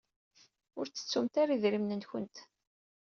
Ur ttettumt ara idrimen-nwent.